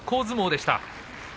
相撲でした。